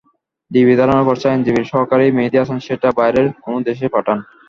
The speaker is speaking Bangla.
ডিবি ধারণা করছে, আইনজীবীর সহকারী মেহেদী হাসান সেটা বাইরের কোনো দেশে পাঠান।